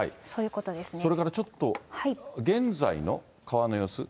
それからちょっと、現在の川の様子？